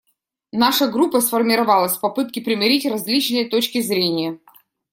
Наша группа сформировалась в попытке примирить различные точки зрения.